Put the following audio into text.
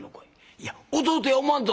「いや弟や思わんと」。